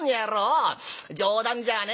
冗談じゃねえや。